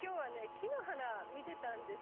木の花見てたんですよ。